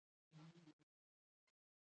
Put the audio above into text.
ښارونه د افغانستان د جغرافیې بېلګه ده.